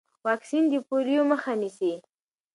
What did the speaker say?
واکسین د پولیو مخه نیسي۔